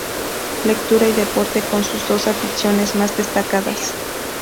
Lectura y deporte son sus dos aficiones más destacadas.